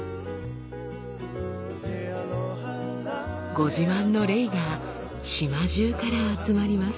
ご自慢のレイが島じゅうから集まります。